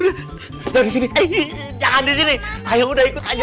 hai ada di sini jangan disini ayo udah ikut aja